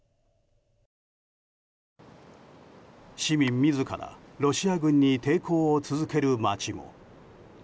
市民自らロシア軍に抵抗を続ける街も。